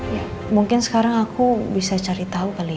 ya mungkin sekarang aku bisa cari tau kali ya